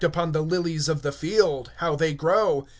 Consider the lilies of the field, how they grow.